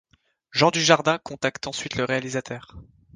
Jean Dujardin contacte ensuite le réalisateur.